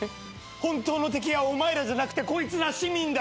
本当の敵はお前らじゃなくてこいつら市民だよ。